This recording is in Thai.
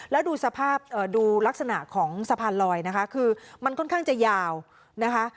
แล้วดูสภาพดูลักษณะของสะพานลอยนะคะคือมันค่อนข้างจะยาวนะคะ